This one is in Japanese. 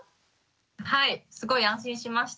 はいすごい安心しました。